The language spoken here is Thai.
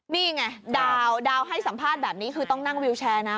นี่ไงดาวดาวให้สัมภาษณ์แบบนี้คือต้องนั่งวิวแชร์นะ